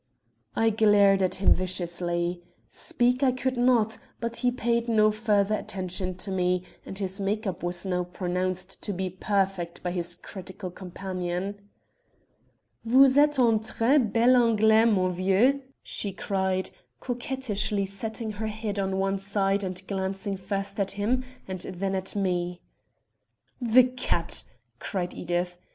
"I glared at him viciously. Speak I could not, but he paid no further attention to me, and his make up was now pronounced to be perfect by his critical companion. "'Vous etes un très bel Anglais, mon vieux,' she cried, coquettishly setting her head on one side and glancing first at him and then at me." "The cat!" cried Edith.